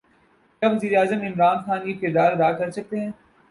کیا وزیر اعظم عمران خان یہ کردار ادا کر سکتے ہیں؟